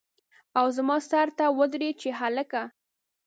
او زما سر ته ودرېد چې هلکه!